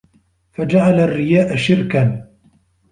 فَجَعَلَ الرِّيَاءَ شِرْكًا